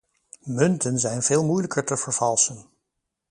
Munten zijn veel moeilijker te vervalsen.